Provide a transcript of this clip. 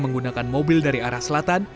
menggunakan mobil dari arah selatan